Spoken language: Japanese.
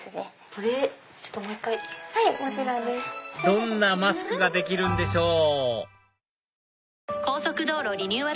どんなマスクができるんでしょう？